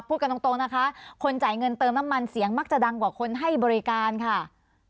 พูดกันตรงนะคะคนจ่ายเงินเติมน้ำมันเสียงมักจะดังกว่าคนให้บริการค่ะ